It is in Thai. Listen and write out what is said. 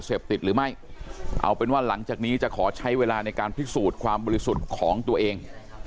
เสพติดหรือไม่เอาเป็นว่าหลังจากนี้จะขอใช้เวลาในการพิสูจน์ความบริสุทธิ์ของตัวเอง